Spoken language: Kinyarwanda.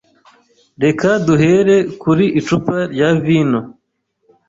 Reka duhere kuri icupa rya vino.